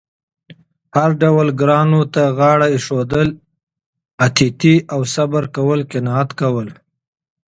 هر ډول ګرانو ته غاړه اېښودل، اتیتې او صبر کول، قناعت کول